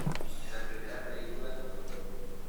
En la primera película, "Dr.